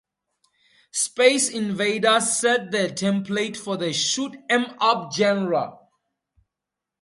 "Space Invaders" set the template for the shoot 'em up genre.